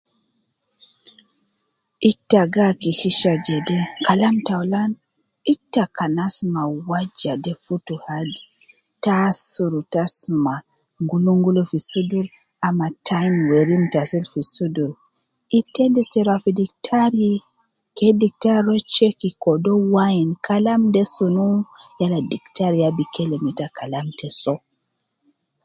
Ita gi hakikisha jede, kalam taulan ,ita kan asuma waja de futu hadi, te asuru te asuma ngulu ngulu fi sudur ama te ayin werim te asil fi sudur, ita endis te rua fi diktari ke diktari rua checki kede uwo ayin Kalam de sunu, yala diktari ya bi kelem neta Kalam te soo